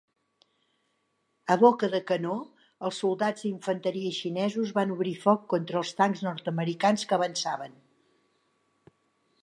A boca de canó, els soldats d'infanteria xinesos van obrir foc contra els tancs nord-americans que avançaven.